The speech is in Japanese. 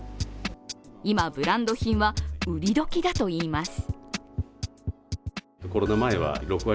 今、ブランド品は売り時だといいます。